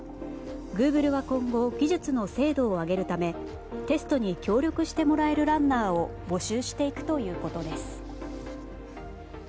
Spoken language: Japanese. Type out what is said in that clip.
グーグルは今後技術の精度を上げるためテストに協力してもらえるランナーを募集していくということです。